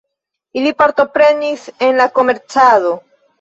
Ili partoprenis en la komercado.